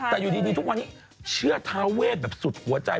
แต่อยู่ดีทุกวันนี้เชื่อทาเวทแบบสุดหัวใจ